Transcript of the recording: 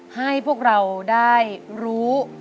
ให้พวกเราได้รู้